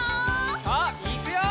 さあいくよ！